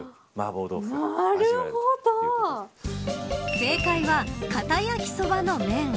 正解はかた焼きそばの麺。